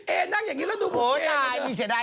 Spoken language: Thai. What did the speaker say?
เอนั่งอย่างนี้แล้วดูบุฟเฟย์